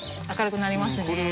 明るくなりますね。